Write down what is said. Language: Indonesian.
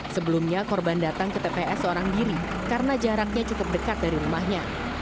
sebelumnya korban datang ke tps seorang diri karena jaraknya cukup dekat dari rumahnya